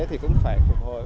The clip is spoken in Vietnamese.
thì cũng phải phục hồi